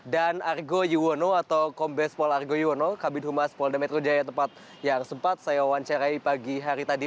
dan argo yuwono atau kombes pol argo yuwono kabin humas polda metro jaya tempat yang sempat saya wawancarai pagi hari tadi